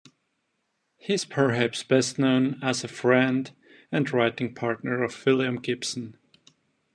He is perhaps best known as a friend and writing partner of William Gibson.